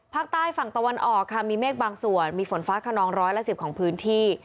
ภาคใต้ฝั่งตะวันออกค่ะมีเมฆบางส่วนมีฝนฟ้าขนองร้อยละ๑๐ของพื้นที่